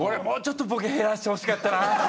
もうちょっとボケ減らしてほしかったな。